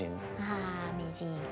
ああ名人。